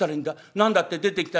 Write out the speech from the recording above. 『何だって出てきた？』。